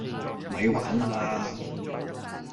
咪玩啦